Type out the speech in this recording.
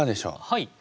はい。